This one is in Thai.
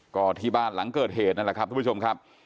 ก็ที่บ้านหลังเกิดเหตุนั่นแหละครับทุกผู้ชมครับ